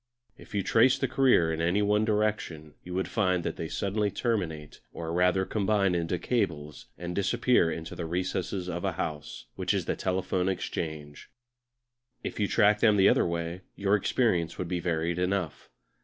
If you traced their career in one direction you would find that they suddenly terminate, or rather combine into cables, and disappear into the recesses of a house, which is the Telephone Exchange. If you tracked them the other way your experience would be varied enough.